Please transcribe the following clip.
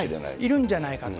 いるんじゃないかと。